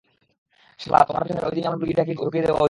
শালা, তোমার পেছনে ঐদিনই আমার মুরগি ঢুকিয়ে দেওয়া উচিত ছিল।